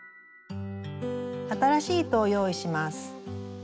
新しい糸を用意します。